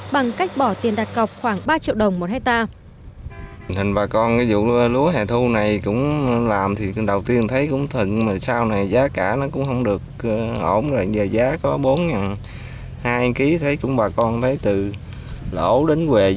bằng cách bỏ tiền đặt cọc khoảng ba triệu đồng một hectare